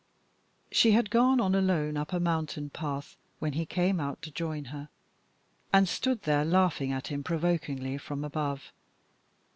She had gone alone up a mountain path when he came out to join her, and stood there laughing at him provokingly from above.